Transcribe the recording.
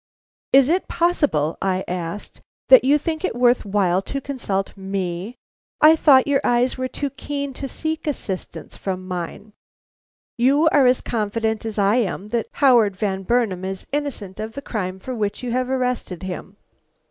"Is it possible," I asked, "that you think it worth while to consult me? I thought your eyes were too keen to seek assistance from mine. You are as confident as I am that Howard Van Burnam is innocent of the crime for which you have arrested him."